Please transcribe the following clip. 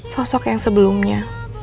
sosok yang sebelumnya